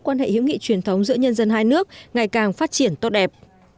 quan hệ hữu nghị truyền thống giữa nhân dân hai nước ngày càng phát triển tốt đẹp